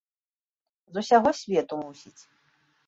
З усяго свету, мусіць.